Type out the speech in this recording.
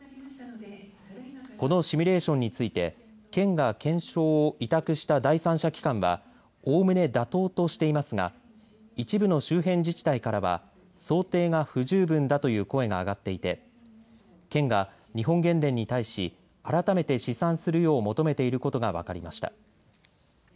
このシミュレーションについて県が検証を委託した第三者機関はおおむね妥当としていますが一部の周辺自治体からは想定が不十分だという声が上がっていて県が、日本原電に対し改めて試算するよう求めていることが分かりました。